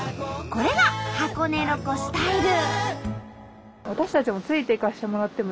これが箱根ロコスタイル！